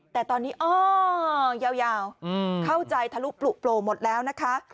แต่ตอนนี้อ้อยาวเข้าใจทะลุปลุโปรหมดแล้วนะคะ